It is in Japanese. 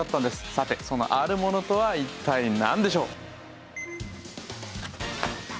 さてそのあるものとは一体なんでしょう？